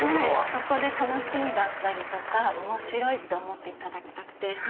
そこで楽しみだったり面白いって思っていただきたくて。